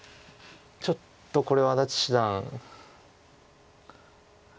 ちょっとこれは安達七段。